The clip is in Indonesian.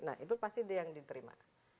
nah itu pasti dia yang diterima